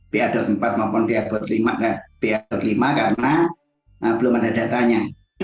b a dua puluh empat maupun b a dua puluh lima karena belum ada datanya